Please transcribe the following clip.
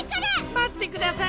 まってください。